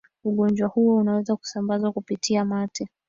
ugonjwa huo unaweza kusambazwa kupitia mate